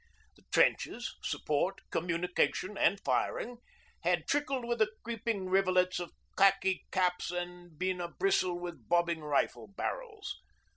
The trenches support, communication, and firing had trickled with creeping rivulets of khaki caps and been a bristle with bobbing rifle barrels.